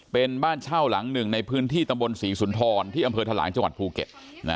เป็นบ้านเช่าหลังหนึ่งในพื้นที่ตำบลศรีสุนทรที่อำเภอทะลางจังหวัดภูเก็ต